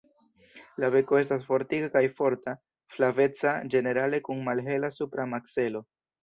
La beko estas fortika kaj forta, flaveca ĝenerale kun malhela supra makzelo.